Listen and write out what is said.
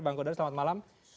bang kodari selamat malam